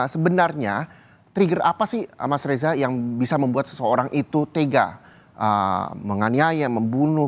sebenarnya trigger apa sih mas reza yang bisa membuat seseorang itu tega menganiaya membunuh